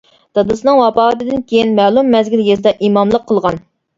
دادىسىنىڭ ۋاپاتىدىن كىيىن مەلۇم مەزگىل يېزىدا ئىماملىق قىلغان.